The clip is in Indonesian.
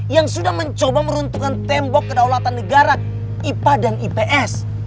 yang sudah mencoba meruntuhkan tembok kedaulatan negara ipa dan ips